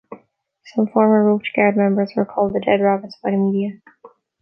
Some former Roach Guard members were called the Dead Rabbits by the media.